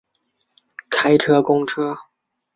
开车公车